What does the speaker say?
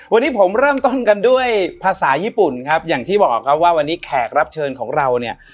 วันนี้ผมเริ่มต้นกันด้วยภาษาญี่ปุ่นครับอย่างที่บอกครับว่าวันนี้แขกรับเชิญของเราเนี่ย